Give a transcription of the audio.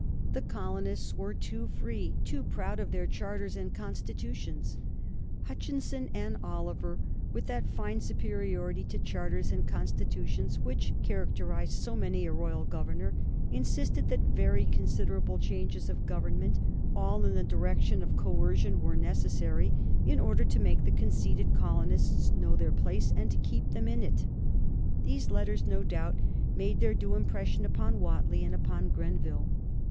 The colonists were too free, too proud of their charters and constitutions. Hutchinson and Oliver, with that fine superiority to charters and constitutions which characterized so many a royal governor, insisted that very considerable changes of government, all in the direction of coercion, were necessary, in order to make the conceited colonists know their place and to keep them in it. These letters no doubt made their due impression upon Whately and upon Grenville.